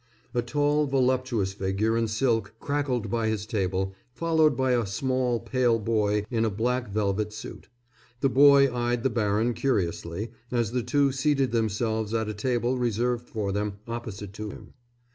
A tall voluptuous figure in silk crackled by his table, followed by a small, pale boy in a black velvet suit. The boy eyed the baron curiously, as the two seated themselves at a table reserved for them opposite to him.